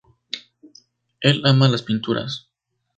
Él ama las pinturas".